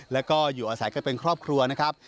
แล้วก็อยู่อาศัยกันเป็นครอบครัวนะครับ